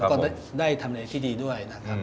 ก็ได้ทำในที่ดีด้วยนะครับ